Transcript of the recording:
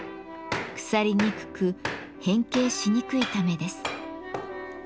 腐りにくく変形しにくいためです。